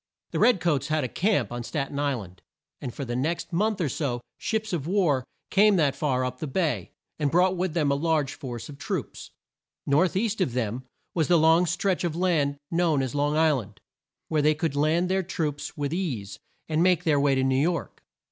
The red coats had a camp on Stat en Isl and, and for the next month or so ships of war came that far up the bay, and brought with them a large force of troops. North east of them was the long stretch of land known as Long Isl and, where they could land their troops with ease, and make their way to New York.